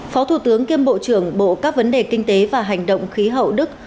phó thủ tướng kiêm bộ trưởng bộ các vấn đề kinh tế và hành động khí hậu đức